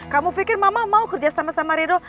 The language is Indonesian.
kamu pikir mama mau kerja sama sama rido